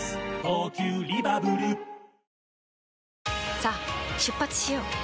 さあ出発しよう。